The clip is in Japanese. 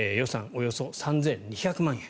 およそ３２００万円。